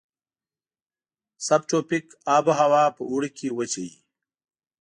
سب تروپیک آب هوا په اوړي کې وچه وي.